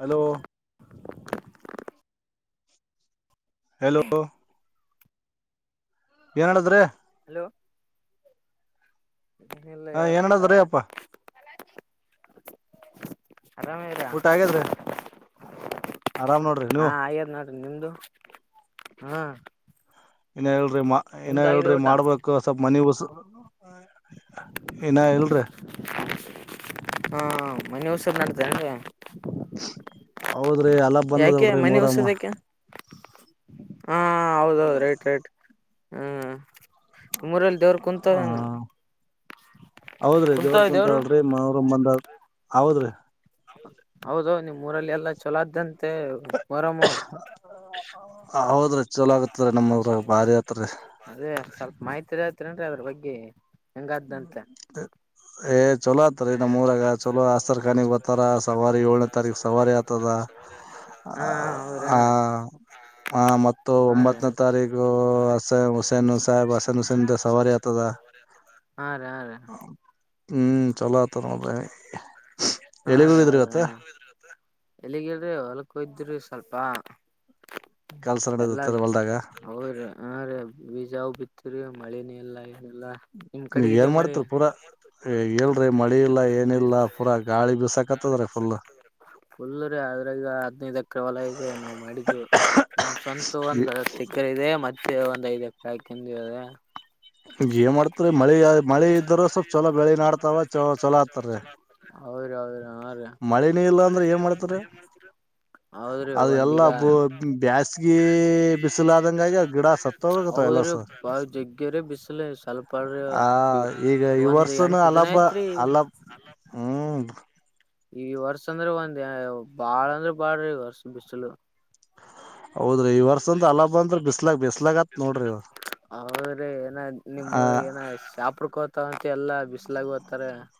Hello hello ಏನ್ ಹೇಳದ್ರಿ [unintelligible] ಹಾ ಹೇಳ್ಬೇಕ ಏನಡದ್ರೀ ಅಪ್ಪಾ ಆರಾಮ ಇದರಾ ಊಟ ಆಗ್ಯದ್ರಿ ಆರಾಮ್ ನೋಡ್ರಿ ಹಾ ನೀವು ಆಯದನಾಟ ನಿಮ್ದು ಹಾ ಇನ್ನ ಏನ ನಿಮ್ದು ಆಗಿದೆ ಹೇಳ್ರಿ ಊಟ ಮಾಡ್ಬೇಕು ಸ್ವಪ ಮನ [unintelligible] ಏನ ಇಲ್ರಿ [unintelligible] ಹೌದು [inaudible] ಹೌದ್ರಿ ಅಲ್ಲ ಯಾಕೆ ಬಂದದಲ್ರರಿ ಮನಿ ಮೊರಾಮ ಉಸದಕ್ಕೆ ಹಾ ಹಾ ಹೌದೌದು ರೈಟ್ ರೈಟ್ ಹ್ಮ್ರಲ್ಲಿ ಹಾ ಹೌದ್ರೀ ದೇವ್ರ ಕುಂತಾವ ಕುಂತ ದೇವ್ರು ಹೇಳಲ್ರಿ ಮನ್ರ ಬಂದ ಹೌದ್ರೀ ಹೌದು ನಿಮ್ ಊರಲ್ಲಿ ಎಲ್ಲಾ ಚಲೋದ್ದಂತ ಮತ್ತೆ ಮೂರಮ ಚಲಾಗ ಹೌ ಅದೇ ಸ್ವಲ್ಪ ಮಾಹಿತ್ರಿ ಹೇಳತ್ರೇನ್ ಅದ್ರ ಬಗ್ಗೆ ಹೆಂಗಾದ್ದಂತೆ ಹ್ಮ ಸ ಎ ಚಲೋ ಆತರ ಇನ್ನು ಮೂರಾಗ ಚಲೋ ಆಸ್ರ್ ಖಾನಗ್ ಬತಾರ ಸವಾರಿ ಏಳನೇ ತಾರೀಕ ಸವಾರಿ ಆತದ ಹಾ ಹೌದ್ರಿ ಹಾ ಆ ರೀ ಆ ಮ ಹಾ ರೀ ಒಂಬತ್ತನೇ ಹಾ ತಾರೀಕು ಹಸೇನ್ ಹುಸೇನ್ ಸಾಹೇಬ್ ಹಸೇನ್ ಹುಸೇನ್ ಸವಾರಿ ಆತದ ಹಾ ರೀ ಹಾ ರೀ ಹ್ಮ್ ಚಲೋ ಆತದ ನೋಡ್ರಿ ಹಾ ಎಲ್ಲಿಗ್ ರೀ ಹೋಗಿದ್ರಿ ಹೌದ ಇವತ್ತ ಹ ಎಲ್ಲಿಗೆ ಹೇಳ್ರಿ ಹೊಲ್ಪ ಕೊದ್ರರು ಸ್ವಲ್ಪ ಕೆಲ್ಸ ಎಲ್ಲ ನಡೆದತ್ತ ಹೊಲ್ದಾಗ ಹ ಹ ರೀ ಬೀಜ ಯಾವ ಬಿತ್ತರಿ ಮಳಿನ ಎಲ್ಲ ನೀ ಏನ್ ಮಾಡ್ತರಿ ಪೂರಾ ಮಳಿ ಇಲ್ಲ ಏನಿಲ್ಲ ಪೂರಾ ಗಾಳಿ ಬಿಸಾಕತ್ತದ್ರಿ ಫುಲ್ ಫುಲ್ ಅದ್ರಗ ಹದ್ನೈದು್ ಎಕರೆ ಹೊಲ ಇದೆ ನಾವ್ ಮಾಡಿದ್ದು ನಮ್ ಸ್ವಂತ ಒಂದ್ ಹತ್ತು ಎಕರೆ ಇದೆ ಮ ಮತ್ತ ಒಂದ್ ಐದ ಎಕ ಹಾಕಂದದ ಏನ್ ಮಾಡ್ತ್ರಿ ಮಳಿ ಮಳೆ ಇದ್ರ ಸ್ವಲ್ಪ್ ಚಲ ಬೆಳೆ ನಾಡ್ತ ಹೌದ್ರಿ ಹೌದ್ರಿ ಹ ಮಳಿನೇ ಇಲ್ಲ ಅಂದ್ರೆ ಏನ್ ಮಾಡ್ತಾರ ಹೌದ್ರಿ ಅದು ಎಲ್ಲಾ ಒಂದೀಗ ಬ್ಯಾಸ್ಗಿ ಬಿಸಿಲಾದಂಗಾಗಿ ಗಿಡ ಸತ್ತೋಗತಾವ ಹೌದ್ರಿ ಎಲ್ಲಸ ಬ ಜಗ್ಗೆ ಸ್ವಲ್ಪ ಒಂದ [unintelligible] ಎಂಟ ಅಲ್ಲಭ ಅಲ್ಲ ಹ್ಮ್ ಈ ವರ್ಷ ಅಂದ್ರೆ ಒಂದ್ ಬಾಳ ಅಂದ್ರ ಬಾಳ್ರಿ ಈ ವರ್ಷ ಬಿಸಿಲು ಹೌದ್ರಿ ಈ ವರ್ಷ ಅಂತ ಅಲ್ಲ ಬಂದ್ರ ಬಿಸ್ಲಾಗ ಬಿಸ್ಲಾಗತ್ ನೋಡ್ರಿ ಹೌದ್ರಿ ಏನ ನಿಮ್ ಆ ಏನ ಶಾಪಡ್ಕೋ ಹ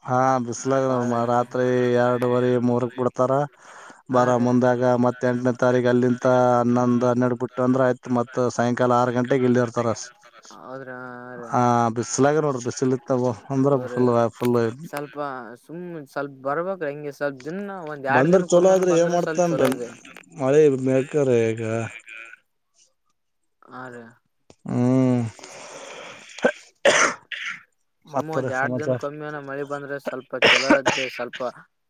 ಹಾ ಬಾಳ ಬಿಸ್ಲಾಗ ಎಲ್ಲ ರಾತ್ರಿ ಎರಡುವರಿ ಮೂರಕ್ ಬಿಡ್ತಾರ ಹಾ ಬರ ರೀ ಮುಂದಾಗ ಮತ್ತ ಎಂಟನೇ ತಾರೀಕ ಅಲ್ಲಿಂತ ಹನ್ನೊಂದ ನೆಡ್ಪುಟ್ಟ ಅಂದ್ರೆ ಆಯತ್ತ್ ಸಾಯಂಕಾಲ ಆರು ಗಂಟೆಗೆ ಇಲ್ಲಿ ಇರ್ತಾರ ಆ ಬಿಸ್ಲಾಗ ನೋಡ್ರಿ ಬಿಸಲ ನೋ ಬಿಸಿಲ ಇತ್ತ ಬಲ ಅಂದ್ರ ಹೌ್ರ ಫುಲ್ ಫುಲ್ ಸ್ವಲ್ಪ ಸುಮ್ ಸ್ವಲ್ಪ ಬರ್ಬ್ರ ಹೆಂಗೆ ಸ್ವಲ್ಪ ದಿನ ಒಂದ್ ಎರ್ಡ್ ಬಂದ್ರ ಚಲೋ ದಿನಮ್ಮನ ಆದ್ರಿ ಏನ್ ಬಂದ್ರೆ ಸ್ವಲ್ಪ ಮಾಡ್ತನ್ರಿ ಚಲೋ ಇದೆ ಮಳೆ ಬೇಕ್ರೀ ಈಗ ಹ್ಮ್ಮ್ ಆ ರೀ ಹ್ಮ್ ಸುಮ ಮತ್ತರಿ ಒಂದ್ ಎರಡ್ ದಿನ ಸಮಾಚಾರ ಕಮ್ಮಿನ ಮಳಿ ಬಂದ್ರೆ ಸ್ವಲ್ಪ ಚಛಲೋ ಇದದ್ದೇ ಸ್ವಲ್ಪ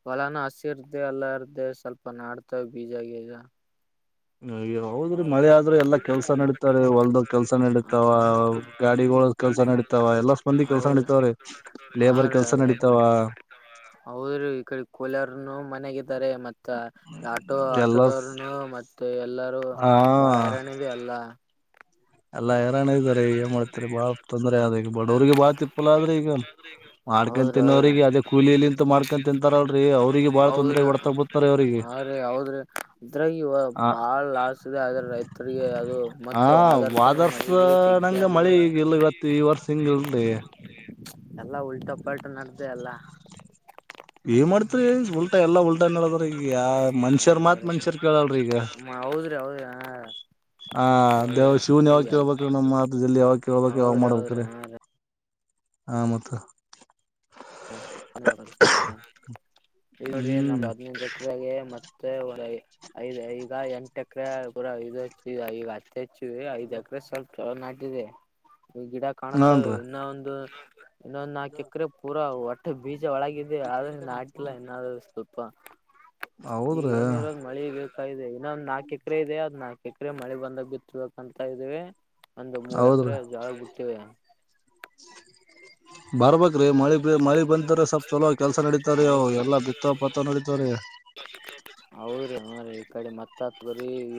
ಹೊಲಾನ ಹಸಿ ಇರ್ದೆ ಎಲ್ಲ ಇರ್ದೆ ಸ್ವಲ್ಪ ನಾಡ್ತವೆ ಬೀಜ ಗಗ ಹೌದ್ರರು ಮದೆ ಆದ್ರರು ಎಲ್ಲಾ ಕೆಲ್ಸ ನಡೀತಾರೆ ಹೊಲ್ದ ಕೆಲ್ಸ ನಡೀತಾವ ಗಾಡಿಗಳಳ ಕೆಲ್ಸ ನಡೀತಾವ ಎಲ್ಲಾ ಸ್ಪಂದಿ ಕೆಲ್ಸ ನಡತವ್ರ ಲೇಬರ್ ಕೆಲ್ಸ ನಡೀತಾವ ಮನೆಗಿದ್ದಾರೆ ಮತ್ತೆ ಆಟೋ ಎಲ್ಲ ಆಟೋದವರುನು ಮತ್ತೆ ಎಲ್ಲರು ಹ ಬಾಳ ಹೈಾಣ್ಯದೆ ಅಲ್ಲ ಎಲ್ಲಾ ಹೈರಾಣ ಇದಾರೆ ಏನ್ ಮಾಡ್ತಾರೆ ಬಾಳ ತೊಂದ್ರೆ ಆದ ಈಗ ಬಡವ್ರಿಗೆ ಬಾಳ ತಿಪ್ಪಲ ಆದ್ರೆ ಈಗ ಮಾಡ್ಕೊಂಡ್ ಹೌದ್ರಿ ತಿನ್ನೋರಿಗೆ ಹೌದ್ರಿ ಅದೇ ಕೂಲಿಲಿಂತ ಮಾಡ್ಕೊಂಡ್ ತಿಂತಾರಲ್ರರಿ ಅವ್ರಿಗೆ ಬಾಳ ತೊಂದ್ರೆ ಹೊಡ್ತಾ ಬಿಡ್ತಾರೆ ಅವ್ರಿಗೆ ಹೌದ್ರಿ್ರೀ ಹೌದ್ರಿ ಇದ್ರಾಗ ಹ ಬಾಳ ಲಾಸ್ ಇದೆ ಆದ್ರೆ ರೈತರಿಗೆ ಅದು ಮತ್ತೆ ಆಧಾರ್ ಆದರ್ಸ್ ನಂಗ ಮಳಿ ಈಗ ಇಲ್ಲ ಇವತ್ತು ಈ ವರ್ಷ ಹಂಗಲ್ರಿ ಎಲ್ಲಾ ಉಲ್ಟ ಪಾಲ್ಟ ನಡೆ್ದ ಎಲ್ಲ ಏನ್ ಮಾಡ್ತ್ರಿೀ ಉಲ್ಟಾ ಎಲ್ಲಾ ಉಲ್ಟಾ ನಡದ್ರ ಈಗ ಯ ಮನ್ಷ್ಯರ್ ಮಾತ್ ಮನ್ಷ್ಯರ್ ಕೇಳಲ್ರಿೀ ಈಗ ಹೌದ್ರಿ ಹೌದ್ರಿ ಹಾ ಹ ದೇವ ಶಿವನ್ ಹೌದ್ರಿ ಯಾವಕ್ಕೆ ಹೋಗಬೇಕ ಮ್ಮ ಮಾತ ಜಲ್ಲಿ ಯಾವಾಗ ಕೇಳ್ಬೇಕ ಯಾವಾಗ್ ಹೌದ್ರಿ ಹೌದ್ರಿ ಮಾಡ್ಬೇಕ್ರೀ ಹಾ ಹ ಮ [inaudible] ಹ ಅದೆಲ್ಲ ಪರಿಸ್ಥಿಿತ ಈಗ ನೋ್ರಿ ನಮ್ ಹದಿನ ಮತ್ತೆ ಒಳ ಐದ ಈಗ ಎಂಟ ಎಕರೆ ಕೂಡ ಇದು ಈಗ ಅತಿಚ್ಚ ಐದಕ್ರ ಸ್ವಲ್ಪ ಚಲೋ ನಾಟಿದೆ ಈ ಗಿಡ ಕಾಣುತ್ತವೆ ಹಾನ್ರೀ ಇನ್ನ ಒಂದು ಇನ್ನೊಂದು ನಾಕ ಎಕ್ರ ೂರ ಅ್ ಬೀ [unintelligible] ಜ ಒಳಗ ಆದ್ರೆ ನಾಲ್ಲ ನಾದ್ೂ [unintelligible] ಅಪ್ಪಾ ಈಗ ಹೌದ್ರಿ ಏನಿರೋಾಗ ಮಳಿ ಬೇಕ ಇದೆ ಇನ್ನೊಂದ್ ನಾಲ್ಕು ಎಕರೆ ಇದೆ ಅ್ ನಾಕು ಎಕರೆ ಮಳೆ ಬಂದ ಬಿತ್ತಬೇಕಂತ ಇದ್ದೇವಿ ಒಂದು ಮೂರ್ ಹೌದ್ರಿ ಎಕರೆ ಜಾವ ಬಿುಟ್ಟಿವ ಬರ್ಬ್ರೀ ಮಳಿಗ್ ಮಳಿಗ್ ಬಂತರ ಸ್ವಪ್ ಚಲೋ ಕೆಲ್ಸ ನಡೀತಾರಿ್ ಎಲ್ಲಾ ಬಿತ್ತ ಪತ್ತ ನಡೀತ್ರೀ ಹೌದ್ರೀ ಅವ್ರೀ ಈ ಕಡೆ ಮತ್ತ ಹತ್ ಬ್ರೀ ಇ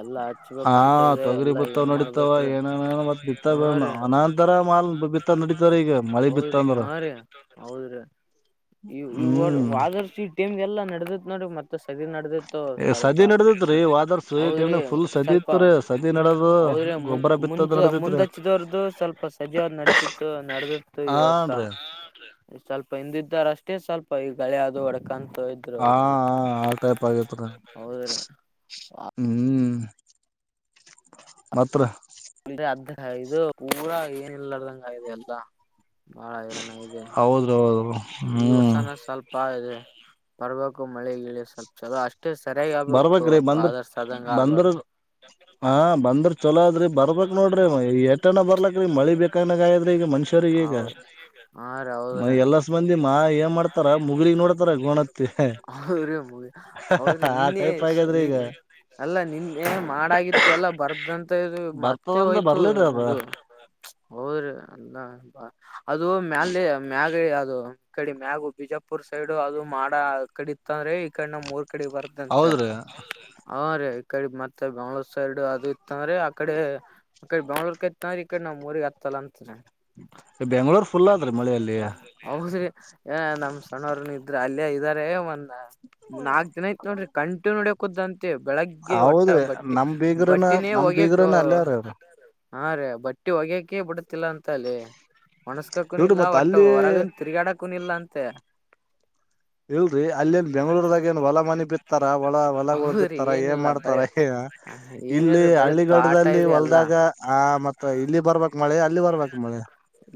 ಎಲ್ಲಾ ಹಾ ಹಚ್ಬೇಕಂತ ಇದೆ ತೊಗರಿ ಎಲ್ಲಾ ಬಿತ್ತಾವ್ ಏನ್ ನಡೀತಾವ ಮಾಡ್ಬೇಕ್ರಿ ಏನೇನ ಮತ್ ಹ ಬಿತ್ತಾವ ರರಿ ಅನಂತರ ಮಾಲ್ ಬಿತ್ತಾವ್ ನಡೀತಾವ್ರೀ ಈಗ ಮಳಿ ಬಿತ್ತ ಹೌದ್ರಿ ಅಂದ್ರ ಹಾ ರೀ ಹೌದ್ರಿ ಹ್ಮ್ ವಾದೀಟ್ ತಿಮಗೆಲ್ಲ ನಡದತ್ ನೋಡಿ ಸಜಿ ನಡೆದಿತ್ತು ಸ್ವಲ್ಪ ಸದಿ ನಡದತ್ರಿ ವಾದರ್ಸ ಹದ್ರಿ ಟೈಮ್ನ ಫುಲ್ ಸದಿ ಸ್ವಲ್ಪ ಇತ್ರಿ ಸದಿ ನಡದು ಅವದ್ರೆ ಗೊಬ್ಬರ ಬಿತ್ತದ್ ಮುಜ ನಡದಿತ್ರಿ ಮುಂದಚ್ಚಿದವ್ರ್ದು ಸ್ವಲ್ಪ ಸಜವಾದ್ ನಡತಿತ್ತು ನಡೆದಿತ್ತು ಈ ವರ್ಷ ಹಾನ್ರಿ ಸ್ವಲ್ಪ ಹಿಂದ ಇದ್ದಾರ ಅಷ್ಟೇ ಸ್ವಲ್ಪ ಈ ಗಳೆ ಅದು ಹೊಡಕನ್ ಹಾ ಆ ಟೈಪ್ ಆಗೇತ್ ಹೌದ್ರಿ ಹ್ಮ್ ಮಾತ್ರ ಅದ್ ಇದು ಪೂರಾ ಏನ ಇಲ್ಲಾರ್ದಂಗ ಇದೆ ಎಲ್ಲ ಬಾಳ ಹರಣ ಇದೆ ಹೌದ್ರಿ ಹೌದ್ರಿ ಈ ಹ್ಮ್ ಹೊಸನ ಸ್ವಲ್ಪ ಇದೆ ಬರ್ಬೇಕಕು ಮಳೆ ಇ ಸ್ವಲ್ಪ ಚಲೋ ಅಷ್ಟ ಬರ್ಬೇಕ್ರೀ ಬಂದ್ರ ಆದಂಗ ಬಂದ್ರ ಆಗ್ಬಾರ್ದು ಹ ಬಂದ್ರ ಚಲೋ ಆದದ್ರಿ ಮಳಿ ಬೇಕಾಗನಾಗ ಆಗದ್ರಿ ಈಗ ಮನುಷ್ಯರಿಗ ಈಗ ಹೌದ ಹಾ ಎಲ್ಲಸ್ ಮಂದಿ ಮಾ ಏನ್ ಮಾಡ್ತಾರ ಮುಗುಳಗ್ ನೋಡ್ತಾರ ಗೋಣತ್ತಿ ರೀ ಹೌದ್ರಿ ಹೌದ್ರಿದ ಆ ನಿನ್ನೆ ಟೈಪ್ ಆಗ್ಯದ್ರಿ ಈಗ ಅಲ್ಲ ನಿನ್ನೆ ಮಾಡಾಗಿತ್ತು ಎಲ್ಲ ಬರ್ಬ ತ್ತೆ ಬರ್ತದ ಅಂದ್ರ ಹೋಯ್ತು ಬರ್ಲಿರಿ ಅದ ಇದು ಹೌದ ಅಲ್ಲ ಅದು ಮ್ಯಾಲ ಮ್ಯಾಗ ಅದು ಈ ಕಡೆ ಮ್ಯಾಗು ಬಿಜಾಪುರ್ ಸೈಡು ಅದು ಮಾಡ ಕಡಿ ಇತ್ತ ಅಂದ್ರೆ ಈ ಕಡೆ ನಮ್ಮ್ ಮೂರ್ ಕಡೆ ಬರ್ದಂತ ಹೌದ್ರಿ ಅವ ರ ಅಡೆ ಮತ್ತೆ ಬೆಂಗಳೂರು ಸೈಡ್ ಅದು ಇತ್ತ ಅಂದ್ರೆ ಆಕಡೆ ಆ ಕಡೆ ಬಂಗಳೂರ್ ಕೈತ್ರ ಈ ಕಡೆ ನಾ ಊರಿರಿಗೆ ಹತ್ತಲ್ಲ ಅಂತ ಬೆಂಗ್ಳೂರ್ ಫುಲ್ ಆದ್ರಿ ಮಳಿ ಅಲ್ಲಿ ಹೌದ್ರಿ ನಮ ಸಣ್ಣವ್ರ ಇದ್ರೆ ಅಲ್ಲೇ ಇದಾರೆ ಒಂದ ನಾಕಕ್ ಜನ ಐತ್ ನೋಡಿ ಕಂಟು ನೋಡಿ ಕುಂದನ್ ಮತ್ತ ಬೆಳಗ್ಗೆ ಒಟ್ಟ ಹೌದ್ರಿ ಬಟ್ಟೆ ನಮ್ ಬೀಗ್ರನ ಬಟ್ಟಿನೇ ನಮ್ ಹೋಗಿಕ್ ಬೀಗ್ರನ ಅಲ್ಲಾರ ಅವ್ರ ಹಾ ರೇ ಬಟ್ಟೆ ಹೋಗ್ಯಕೆ ಬಿಡತಿಲ್ಲ ಅಂತ ಅಲ್ಲಿ ಒಣಸ್ಕಕೂನ ಇವ್ರಿ ಇಲ್ಲ ಮತ್ ಅಲ್ಲಿ ಒಟ್ಟು ಹೊರಗನ್ ತಿರುಗಾಡಕನ್ ಇಲ್ಲ ಅಂತೆ ಇಲ್ರಿ ಅಲ್ಲಿನ್ ಬೆಂಗ್ಳೂರ್ದಾಗ ಏನ್ ಹೊಲ ಮನೆ ಬಿತ್ತಾರ ಒಲ ಹೊಲಗಳು ಹೌದ್ರಿ ಬಿತ್ತಾರ ಏನ್ ಏನಿಲ್ಲ ಮಾಡ್ತಾರ ಬರೇ ಏನ್ ಇಲ್ಲಿ ಹೇಳ್ರಿ ಬರೀ ತಾಟ ಹಳ್ಳಿಗಡದಲ್ಲಿ ಇದೆ ಅಲ್ಲಾ ಹೊಲದಾಗ ಬರ್ಬೇಕಕ್ ಮಳೆ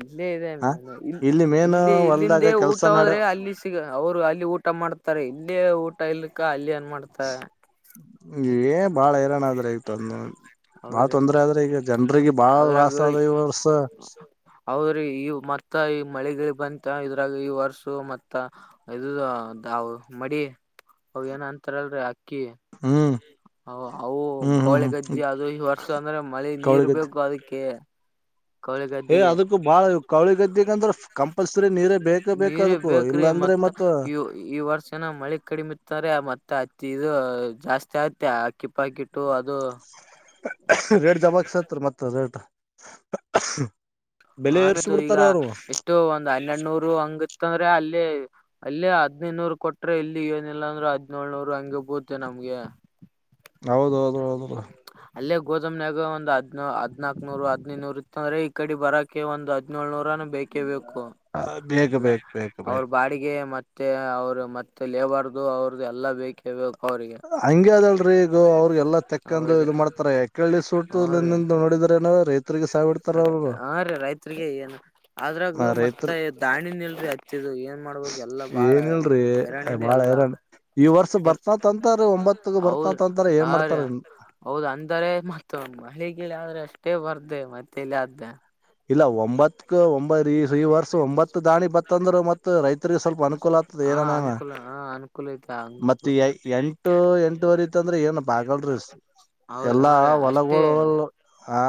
ಇಲ್ಲೇ ಇದೆ ಹ ಮೇ ಮೇನ್ ಇಲ್ಲಿ ಇಲ್ಲಿಂದೇ ಹೊಲ್ದಾಗ ಊಟ ಕೆಲ್ಸ ನಡ ಹೋದ್ರೆ ಅಲ್ಲಿ ಸಿಗ ಅವರು ಅಲ್ಲಿಟ್ಟ ಊಟ ಮಾಡ್ತಾರೆ ಇಲ್ಲಿ ಊ ಇಲ್ಲಕ್ಕ ಇನ್ ಏನು ಮಾಡ್ತ ಏ ಬಾಳ ಹೈರಾಣ ಆದ್ರ ಆಯತ ಅದ ಹೌದ್ರಿ ಲಾಸ್ ಅದ್ರಾಗ ಆದ ಈ ವರ್ಷ ಹೌದ್ರಿ ಈ ಮತ್ತ ಈ ಮಳೆಗಳಿಗೆ ಬಂತ ಇದ್ರಾಗ ಈ ವರ್ಸ ಮತ್ತ ಇದು ಮಡಿ ಅವ ಏನ ಅಂತಾರಲ್ರಿ ಅಕ್ಕಿ ಹ್ಮ್ ಅವು ಹ್ಮ್ ಹ್ಮ್ ಹ್ಮ್ ಗೋಳೆಗದ್ದ ಅದು ಈ ವರ್ಷ ಅಂದ್ರೆ ಮಳೆ ನೀರ್ ಕವಳಿಗದ್ದೆ ಬೇಕು ಅದಕ್ಕೆ ಏ ಕೌಳಿಗದ್ದೆಗೆ ಅದಕ್ಕೂ ಬಾಳ ಕವಳಿಗದ್ದಿಗಂದ್ರ ಕಂಪಲ್ಸರಿ ನೀರೇ ಬೇಕೇ ಬೇಕ ನೀರೇ ಅದಕ್ಕೂ ಬೇಕ್ರಿ ಇಲ್ಲಾಂದ್ರೆ ಮತ್ತ ಈ ವರ್ಷಏನ ಮಳೆ ಕಡಿಮಿ ಇರ್ತಾರೆ ಮತ್ತೆ ಅತ್ತ ಇದು ಜಾಸ್ತಿ ಆಗುತ್ತೆ ಆಕಿ ಪ್ಪಾಕಿಟ್ಟು ಅದು ರೇಡ್ ಜಬಾಕ್ ಸತ್ ಮತ್ತ ಹದ ಆಮೇು ಈಗ ಎಷ್ಟು ಒಂದ್ ಹನ್ನೆರಡ್ನೂರು ಹಂಗಿತ್ತ ಅಂದ್ರೆ ಅಲ್ಲಿ ಅಲ್ಲೇ ಹದ್ನೈದುನೂರು ಕೊಟ್ರೆ ಇಲ್ಲಿ ಏನಿಲ್ಲಾ ಅಂದ್ರೂ ಹದನೇಳ್ನೂರ್ ಹಂಗೆ ಬೂತೆ ನಮ್ಗೆ ಹೌದ ಹೌದು ಹೌದು ಅಲ್ಲೇ ಗೋದಾಮ್ನಾಗ ಒಂದ್ ಹದ್ ಹದನಾಕ್ ನೂರು ಹದ್ೈದುನೂರು ಇತ್ತಂದ್ರ ಈ ಕಡೆ ಬರ ಒಂದು ಹದಿನೇಳು ಬೇಕೇ ಬೇಕು ಬೇಕ ಇಲ್ಲ ಬೇಕ್ ಬೇಕ ಅವ್ರ ಬೇಕ್ ಬಾಡಿಗೆ ಮತ್ತೆ ಮತ್ತೆ ಅವರು ಮತ್ತೆ ಲೇಬರ್ದು ಅವ್ರದು ಎಲ್ಲ ಬೇಕೇ ಬ ಹಂಗೆ ಅದಲ್ರೀ ಈಗ ಅವ್ರಿಗೆಲ್ಲಾ ತೆಕ್ಕಂದು ಅವ್ರಿ ಇ್ ಮಾಡ್ತಾರ ಯಕೇಳಳ್ಳಿ ಸೂತ ಹ್ಮ್ ರೀ ನಿಿಂದ ನೋಡಿದ್ರ ಏನಾರ ರೈತರಿರಿಗೆ ಸಾವಿಡ್ತಾರ ಅವರು ಚತ್ಗೆ ಏನು ಅದ್ರಾಗ ರೈತರ ಮತ್ತೆ ದಾಣಿನಿಲ್ರಿ ಹಚ್ಚಿದ ಏನ್ ಮಾಡ್ಬೇಕು ಎಲ್ಲಾ ಬಾಳ ಏನಿಲ್ರಿ ಹರಾಣ್ಯದ ಬಾಳ ಎಲ್ಲ ಹೈರಾಣ ಈ ವರ್ಷ ಏನ್ ಬರ್ತತ್ ಅಂತಾರ ಒಂಬತ್ತಕ್ ಹೌದ ಬರ್ತತ್ ಅಂತಾರ ಹ ಏನ್ ರ ಮಾಡ್ತಾರ ಹೌದ್ ಅಂದಾರೆ ಮತ್ತ ಮಳಿಗಳ ಆದ್ರೆ ಅಷ್ಟ ಅಟ್ಟೇ ಬರ್ ಮತ್ತೆ ಇಲ್ಲಿ ಆದ್ದೆ ಇಲ್ಲ ಒಂಬತ್ಕ ಒಂಬ ಈ ಈ ವರ್ಷ ಒಂಬತ್ತು ದಾಣಿ ಬತ್ತಂದ್ರರು ಮತ್ತ ರೈತರಿರಿಗೆ ಸ್ವಲ್ಪ ಅನುಕೂಲ ಆಗ್ತದ ಹಾ ಏನನೇನ ಅನುಕೂಲ ಹ ಅನುಕೂಲ ಐತೆ ಮತ್ತ ಅನುಕೂಲ ಎಂಟು ಎಂಟುವರೆ ಇತ್ತಂದ್ರೆ ಏನಪ್ಪ ಆಗಲ್ರಿೀ ಅವ್ರ ಎಲ್ಲಾ ಅವ್ರ ಅಷ್ಟೇ ಹೊಲಗಳು ಆ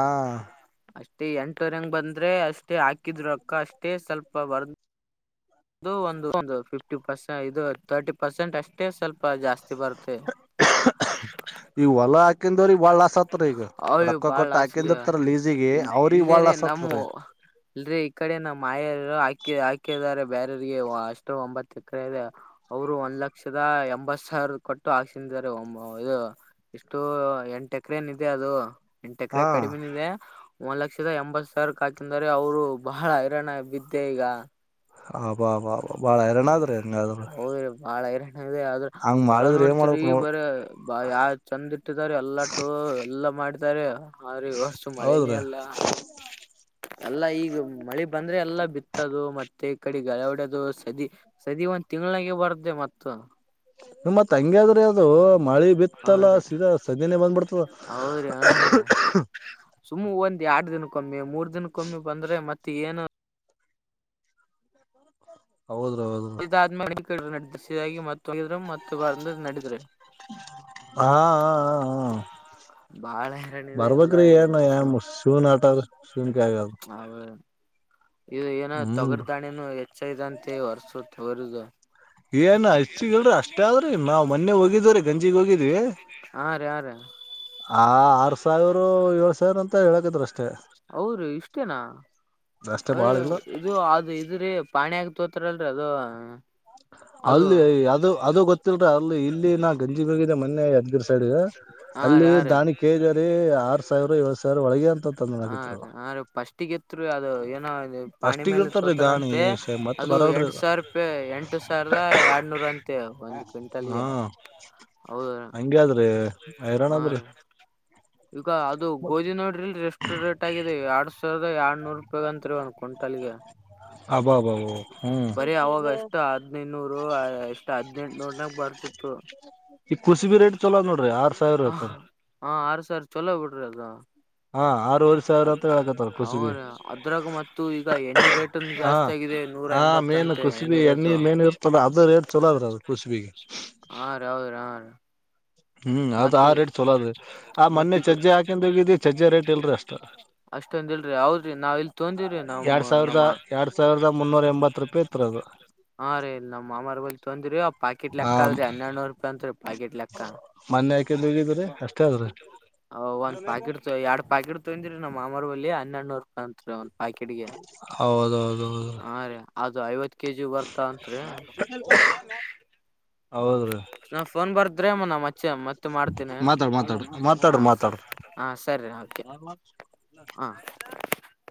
ಎಂಟುವರೆಂಗ ಬಂದ ಆದ್ರೆ ಅಷ್ಟೇ ಹಾಕಿದ್ರಕ್ಕ ಅಷ್ಟೇ ಸ್ವಲ್ಪ ಬರ್ ಅದು ಒಂದು ಫಿಫ್ಟಿ ಪರ್ಸೆ ಇದು ತರ್ಟಿ ಪರ್ಸೆಂಟ್ ಅಷ್ಟೇ ಸ್ವಲ್ಪ ಜಾಸ್ತಿ ಬರುತ್ತೆ ಈಗ ಹೊಲ ಹಾಕಿಂದವ್ರಿಗೆ ಬಾಳ ಲಾಸ್ ಆತ್ರಿ ಈಗ ಅಯ್ಯ ರೊಕ್ಕ ಬಾಳ ಕೊಟ್ಟ ಆಸ್ೆಿದೆ ಹಾಕಿಂದಿರ್ತಾರ ಲೀಸಿಗೆ ಅವ್ರಿಗೆ ಬಾಳ ಇಲ್ಲೇರೆ ಲಾಸ್ ನಮ್ಮ ಆತದ್ರಿ ಇಲ್ ಈ ಕಡೆ ನಮ್ಮ ಆಯ ಹಾಕ ಹಾಕಿದ್ದಾರೆ ಬೇರರಿಗೆ ಅಷ್ಟು ಒಂಬತ್ತು ಎಕರೆ ಇದೆ ಅವರು ಒಂದ್ ಲಕ್ಷದ ಎಂಬತ್ ಸಾವಿರದ ಕೊಟ್ಟು ಹಾಕ್ಸಿದ್ದಾರೆ ಒ ಇದು ಎಷ್ಟು ಎಂಟ ಎಕರೆನ ಇದೆ ಅದು ಎಂಟ ಎಕರೆ ಹಾ ಕಡಿಮೆನ ಇದೆ ಒಂದ್ ಲಕ್ಷದ ಎಂಬತ್ ಸಾವಿರಕ್ಕೆ ಹಾಕಿದರೆ ಅವ್ರು ಬಹಳ ಹೈರಾಣ ಬಿದ್ದೆ ಈಗ ಅಬ್ಬಾ ಅಬ್ಬಾ ಬಾ ಬಾ ಬಾಳ ಹೈರಾಣಾದ್ರಿ ಹಂಗಾದ್ರ ಹ ಹೌದ್ರಿ ಬಾಳ ಹೈರಾಣ್ಯ ಇದೆ ಆದ್ರ ಹಂಗ್ ಹೊಲ ಮಾಡಿದ್ರ ಏನ್ ನೋಡ್ತಿರಿ ಮಾಡ್ಬೇಕ್ ನೋಡ್ ಬರ ಬಾ ಯಾವ ಚಂದ್ ಇಟ್ಟಿದಾರ ಎಲ್ಲಟು ಎಲ್ಲ ಮಾಡ್ತಾರೆ ಹಾ ರಿ ವರ್ಷು ಮಳೆನೇ ಹೌದ್ರಿ ಅಲ್ಲ ಎಲ್ಲ ಈಗ ಮಳೆ ಬಂದ್ರೆ ಎಲ್ಲ ಬಿತ್ತದು ಮತ್ತೆ ತ ಕಡೆ ಗಳೆವಡೆದ ಸ ಅ ಸದ ಒಂದ್ ತಿಂಳಿಗೆ ಬರತ್ತದ ರೀ ಮತ್ತ ನಿಮ ಮತ್ ಹಂಗ ಆದ್ರೆ ಅದು ಮಳೆ ಬಿತ್ತಲ್ಲ ಅವ್ರೆ ಸೀದಾ ಸದಿನೆೇ ಬಂದ್ಬಿಡ್ತದ ಅವ್ರಿ ಆಡ ದಿನಕ ಮೂರ್ ದಿನಕ್ಕಮ್ಮಿ ಬಂದ್ರೆ ಮತ್ತೆ ತನು ಹೌದ ರಿ ಹೌದ ರಿ ನಡೆಸಾಗಿ ಮತ್ತು ಮ ಬರ್ಂದ ನಡದರು ಹಾ ಹಾ ಹಾ ಹಾ ಬಾಳ ಹೈರಾಣ ಇದೆ ಎಲ್ಲಾ ಬರ್ಬ್ರೀ ಈ ಏನ್ ವರ್ಷ ಏ ಶೂನ್ ಆಟ ಶೂನ್ ಕಗ ಇದು ಏನ ತೊಗರ್ ದಾಣೆ ಹೆಚ್ಚೈದ ಅಂತೆ ಹೊರ್ಸು ತಗರದು ಏನ್ ಹೆಚ್ಚಿಗಲ್ರಿ ಅಷ್ಟೇ ಆದ್ರಿ ನಾವ್ ಮೊನ್ನೆ ಹೋಗಿದ್ವ್ರೀ ಗಂಜಿಗ್ ಹೋಗಿದ್ವಿ ಹ ರ ಆ ರ ಆ ಆರ್ ಸಾವಿರ ಏಳ್ ಸಾವಿರ ಅಂತ ಹೇಳಕದ್ರ ಅಷ್ಟೇ ಅವ್ರ ಇಷ್ಟೇನಾ ಅಷ್ಟೇ ಬಾಳ ಯ ಇಲ್ಲ ಇದು ಅದು ಇದ್ರೀ ಪಾಣಿ ಆಗ್ ಹತ್ತತರಲ್ರರಿ ಅದು ಅ ಅಲ್ಲಿ ಅದು ಅದು ಗೊತ್ತಿಲ್ರ ಅಲ್ಲಿ ಇಲ್ಲಿ ನಾ ಗಂಜಿಗ್ ಹೋಗಿದ್ದೆ ಮೊನ್ನೆ ಯದ್ಗಿರ್ ಸೈಡ್ ಅಲ್ಲಿ ದಾಣಿ ಕೆಜರಿ ಆರ್ ಸಾವಿರ ಏಳ್ ಸಾವಿರ ಒಳಗೆ ಅಂತ ತಂದನಾಕತ್ರಿ ಪಫಸ್ಟ್ ಅದು ಏನೋ ಪಾಣಿ ಫಸ್ಟಿಗೆ ಮೇಲೆ ಇರ್ತಾರೀ ದಾಣಿ ತೋತರಂತೆ ಶೇ ಮತ್ ಅದು ಬರಲ್ರಿ ಎಂಟ ಸಾವಿರ ರೂಪಾಯಿ ಎಂಟು ಸಾವಿರದ ಎರಡ್ನೂರ ಅಂತೆ ಒಂದ್ ಹಾ ಕ್ವಿಂಟಲ್ಗೆ ಹೌದೀ ಹಂಗೆ ಆದ್ರಿ ಹೈರಾಣ ಹಾ ಆದ್ರಿ ರೀ ಈಗ ಅದು ಗೋಧಿ ನೋಡ್ರಿಲ್ ಎಷ್ಟು ರೇಟ್ ಆಗಿದೆ ಎರ್ಡ್ ಸಾವಿರದ ರಿ, ಎರಡ್ನೂರು, ರೂಪಾಯಿ, ಅಂತರಿ, ಒನ್ ಕ್ವಿಂಟಲ್ಗೆ? [inaudible] ಅಬಾಬಾಬ ಹ್ಮ್ ಬರಿೀ, ಅವಾಗ ಎಸ್ಟ್, ಹದ್ನೈನೂರು, ಎಷ್ಟ್ ಹದ್ನೆಂಟನೂರನಾಗ, ಬರ್ತಿತ್ತು, ಈ ಕುಸಿಬಿ ರೇಟ್ ಚಲೋ ನೋಡ್ರಿ ಆರ್ ಸಾವಿರ ಹ, ಇರ್ತಾರ ಆರ್ ಸಾವಿರ, ಚಿಲ್ರೆ, ಬಿಡ್ರಿ ಅದು. [unintelligible] ಹಾ ಆರೂವರೆ ಸಾವಿರ ಅಂತ ಹೇಳಕತ್ತಾರ ಕುಸಿಬಿ ಹ್ರ ಅದ್ರಾಗ ಮತ್ತು ಈಗ ಎಣ್ಣೆ ರೇಟ ಹಾ ಜಾಸ್ತಿ ಆಗಿದೆ ನೂರ ಹಾ ಮೇನ್ ಎಂಬತ್ತಂತೆ ಕುಸಿಬಿ ಎಣ್ಣೆ ಎಣ್ಣಿ ರೇಟು ಮೇನ್ ಇರ್ತಲ್ಲ ಅದು ರೇಟ್ ಚಲೋ ಅದ್ರ ಅದು ಕುಸಿಬಿಗೆ ಹಾ ರೀ ಹೌದ್ರಿ ಹಾ ರೀ ಹ್ಮ್ ಅದು ಮತ್ತ ಆ ರೇಟ್ ಚಲೋ ಅದ್ರಿ ಆ ಮೊನ್ನೆ ಚಜ್ಜೆ ಹಾಕೊಂಡ್ ಹೋಗಿದ್ದಿ ಚಜ್ಜೆ ರೇಟ್ ಇಲ್ರಿ ಅಷ್ಟ ಅಷ್ಟೊಂದ ಇಲ್ರಿ ಹೌದ್ರಿ ನಾವ್ ಇಲ್ ತೊಂದಿವ್ರಿ ನಮ್ಮ್ ಎರಡ್ ಸಾವಿರದ ನಮ್ಮ ಎರಡ್ ಸಾವಿರದ ಮುನ್ನೂರ ಎಂಬತ್ ರೂಪಾಯಿ ಇತ್ರಿ ಅದು ಹಾ ರೀ ಇ ನಮ್ಮ್ ಅಮಾರಲ್ ತೊಂದಿಿವರಿಿ ಆ ಪಾಕೆಟ್ ಆ ಲೆಕ್ಕ ಅ ಆದದ್ರಿ ಹನ್ನೆರಡ್ನೂರು ರೂಪಾಯಿ ಅಂತತ್ರಿ ಪಾಕೆಟ್ ಲೆಕ್ಕ ಮೊನ್ನೆ ಹಾಕಿದ್ ಹೋಗಿದ್ರಿ ಅಷ್ಟೇ ಅದ್ರಿ ಒಂದ್ ಪ್ಯಾಕೆಟ್ ಎರಡ್ ಪಾಕೆಟ್ತ ನಮ್ಮ ಮಾಮರ ಬಳಿ ಅನ್ನಣ್ಣವರ್ ಅಂತತ್ರಿ ಒ ಪಾಕೆಟ್ಟಿಗೆ ಹೌದೌದೌದ್ರಿ ಹಾ ರೀ ಅದು ಐವತ್ತು ಕೆಜಿ ಬರ್ತ ಅತ್ರಿೀ ಹಾ ಹೌದ್ರಿ ರಫ ತಗೊಂಡ್ ಬರ್ತಿದ್ರೀ ಮ ಚ, ಮತ್ತೆ ಮಾಡ್ತೀನಿ, ಮಾತಾಡ್ ಮಾತಾಡ್ರಿ ಮಾತಾಡು, ಮಾತಾಡು ಹಾ, ಮಾತಾಡ್ರಿ ಸರಿ ಮಾತಾಡ್ರಿ ಹಾ, ಸರಿ, ಓಕೆ, ಹಾ. [unintelligible]